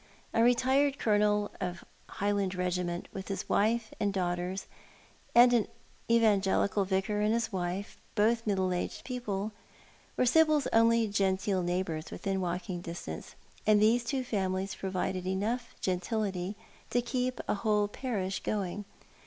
A retired colonel of a Highland regiment, with his wife and daughters, and an evangelical vicar and bis wife, both middle aged people, were Sibyl's only genteel neighbours within walking distance, and these two families provided enough gentility to keep a whole parish going.